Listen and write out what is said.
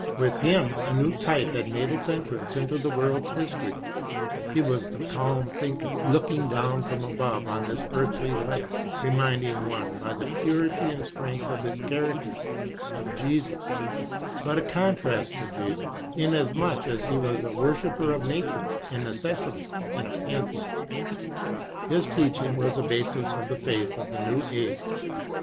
With him a new type had made its entrance into the world's History; he was the calm thinker, looking down from above on this earthly life, reminding one, by the purity and strength of his charac ter, of Jesus, but a contrast to Jesus, inasmuch as he was a worshipper of Nature and Necessity, and a Pantheist. His teaching was the basis of the faith of the new age.